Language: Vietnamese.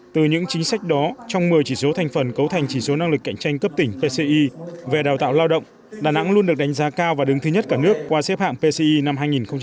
từ những chính sách đó trong một mươi chỉ số thành phần cấu thành chỉ số năng lực cạnh tranh cấp tỉnh pci về đào tạo lao động đà nẵng luôn được đánh giá cao và đứng thứ nhất cả nước qua xếp hạng pci năm hai nghìn một mươi chín